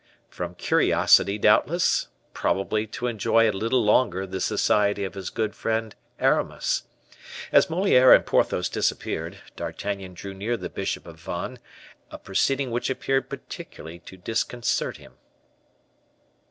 From curiosity, doubtless; probably to enjoy a little longer the society of his good friend Aramis. As Moliere and Porthos disappeared, D'Artagnan drew near the bishop of Vannes, a proceeding which appeared particularly to disconcert him.